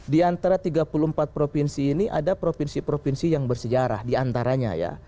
di antara tiga puluh empat provinsi ini ada provinsi provinsi yang bersejarah diantaranya ya